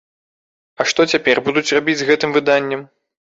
А што цяпер будуць рабіць з гэтым выданнем?